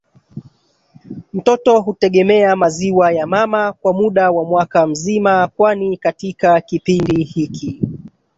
Mtoto hutegemea maziwa ya mama kwa muda wa mwaka mzima kwani katika kipindi hiki